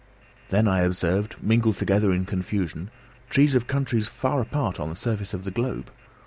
Then I observed, mingled together in confusion, trees of countries far apart on the surface of the globe.